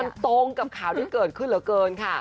มันตรงกับข่าวที่เกิดขึ้นเหลือเกินค่ะ